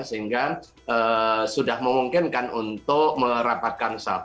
sehingga sudah memungkinkan untuk merapatkan satu